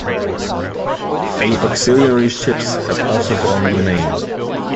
A auxiliary ships have also borne the name.